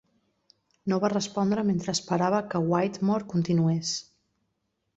No va respondre mentre esperava que Whittemore continués.